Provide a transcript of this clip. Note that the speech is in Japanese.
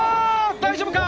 大丈夫か？